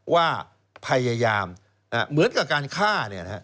ว่าพยายามเหมือนกับการฆ่า